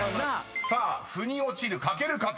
［さあ「フに落ちる」書ける方］